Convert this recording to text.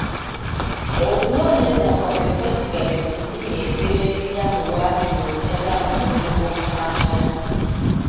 Okunoonyereza kwaffe kwesigamye ku nnimi ezeeyolekera mu lwatu mu mpya z'amasomero g'omu Kampala.